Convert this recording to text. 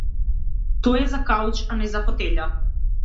Тој е за кауч, а не за фотеља.